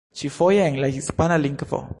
Ĉifoje en la hispana lingvo.